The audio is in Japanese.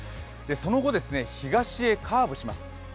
その後、東へカーブします。